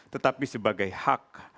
tetapi sebagai hak